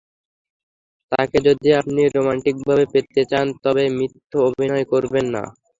তাঁকে যদি আপনি রোমান্টিকভাবে পেতে চান তবে মিথ্যে অভিনয় করবেন না।